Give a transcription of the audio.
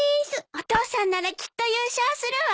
お父さんならきっと優勝するわ！